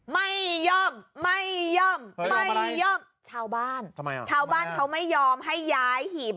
ไม่ยอมไม่ยอมไม่ยอมชาวบ้านชาวบ้านเขาไม่ยอมให้ย้ายหีบ